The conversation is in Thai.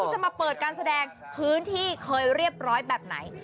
จะมาเปิดการแสดงพื้นที่เคยเรียบร้อยแบบไหน